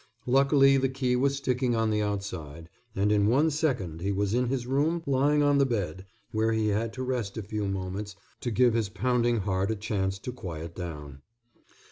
Luckily the key was sticking on the outside, and in one second he was in his room lying on the bed, where he had to rest a few moments to give his pounding heart a chance to quiet down.